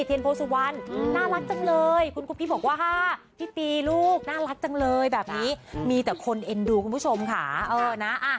เทียนโพสุวรรณน่ารักจังเลยคุณกุ๊กกี้บอกว่าพี่ตีลูกน่ารักจังเลยแบบนี้มีแต่คนเอ็นดูคุณผู้ชมค่ะ